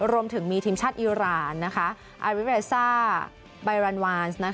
รวมถึงมีทีมชาติอิราณอาริเวซ่าไบรันวานซ์